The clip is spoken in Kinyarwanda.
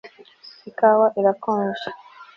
Ikawa irakonje